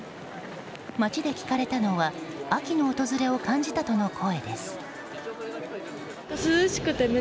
街で聞かれたのは秋の訪れを感じたとの声です。